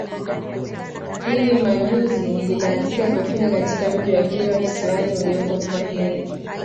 Hivi majuzi nilibahatika kufika katika Mji wa Kilwa Kisiwani ulioko mkoani Lindi